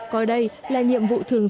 coi đây là nhiệm vụ thường